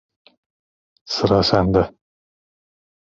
Sıra sende.